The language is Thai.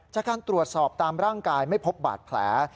จากการตรวจสอบตามร่างกายไม่พบบาดแผล